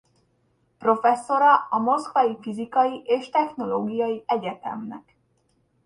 Professzora a moszkvai Fizikai és Technológiai Egyetemnek.